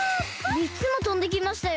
みっつもとんできましたよ！